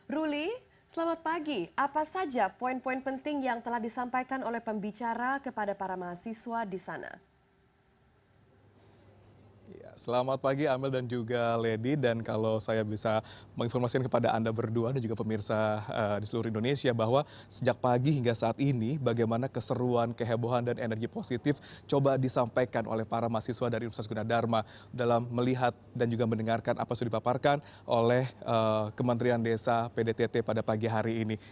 ruli selamat pagi apa saja poin poin penting yang telah disampaikan oleh pembicara kepada para mahasiswa di sana